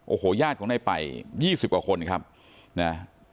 โอ้โหญาติคงได้ไปยี่สิบกว่าคนครับนะ